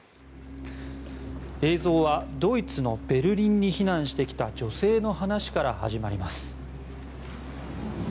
映像はドイツのベルリンに避難してきた女性の話から始まります。